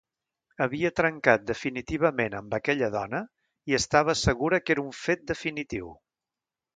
Havia trencat definitivament amb aquella dona i estava segura que era un fet definitiu.